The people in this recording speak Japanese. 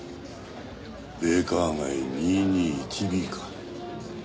ベイカー街２２１Ｂか。